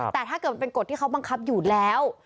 แต่ถ้าเกิดมันเป็นกฎที่เขาบังคับอยู่แล้ว